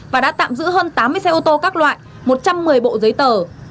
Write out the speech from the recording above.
và đã tạm giữ hơn tám mươi xe ô tô các loại một trăm một mươi bộ giấy tờ